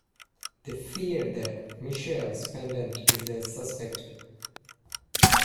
They fear that Michelle's pendant is the suspect.